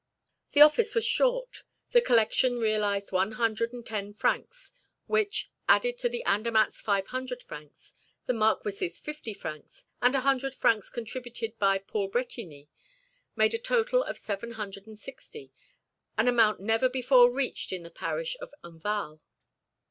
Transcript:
The office was short. The collection realized one hundred and ten francs, which, added to Andermatt's five hundred francs, the Marquis's fifty francs, and a hundred francs contributed by Paul Bretigny, made a total of seven hundred and sixty, an amount never before reached in the parish of Enval.